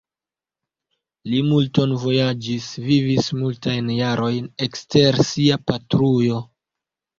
Li multon vojaĝis, vivis multajn jarojn ekster sia patrujo.